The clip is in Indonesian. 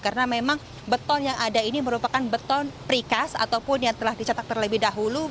karena memang beton yang ada ini merupakan beton precast ataupun yang telah dicetak terlebih dahulu